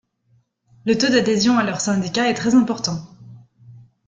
Le taux d’adhésion à leurs syndicats est très important.